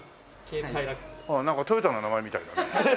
なんかトヨタの名前みたいだね。